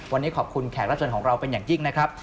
วันนี้ขอบคุณแขกรับเชิญของเราเป็นอย่างยิ่งนะครับ